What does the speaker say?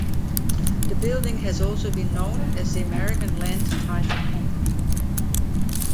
The building has also been known as the American Land Title Company.